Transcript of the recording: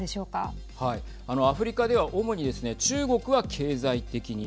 あの、アフリカでは、主にですね中国は経済的に。